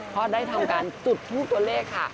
เพราะได้ทำการจุดทูปตัวเลขค่ะ